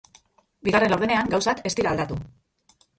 Bigarren laurdenean gauzak ez dira aldatu.